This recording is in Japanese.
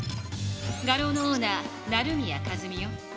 画廊のオーナー成宮数美よ。